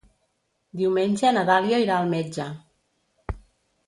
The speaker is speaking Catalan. Diumenge na Dàlia irà al metge.